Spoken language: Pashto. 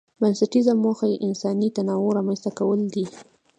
بنسټيزه موخه یې انساني تنوع رامنځته کول دي.